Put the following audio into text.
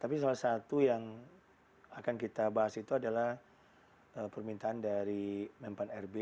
tapi salah satu yang akan kita bahas itu adalah permintaan dari mempan rb